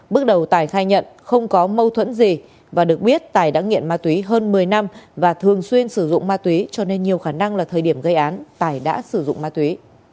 bước đầu tài khai nhận không có mâu thuẫn gì và được biết tài đã nghiện ma túy hơn một mươi năm và thường xuyên sử dụng ma túy cho nên nhiều khả năng là thời điểm gây án tài đã sử dụng ma túy